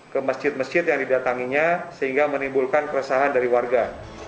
ke masjid masjid yang didatanginya sehingga menimbulkan keresahan dari warga